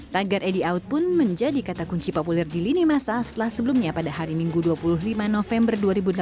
tagar edi out pun menjadi kata kunci populer di lini masa setelah sebelumnya pada hari minggu dua puluh lima november dua ribu delapan belas